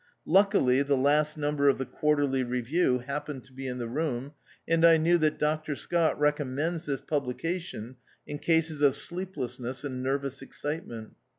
Luckily, the last number of the Quarterly Review hap pened to be in the room, and I knew that Dr Scott recommends this publication in cases of sleeplessness and nervous excitement.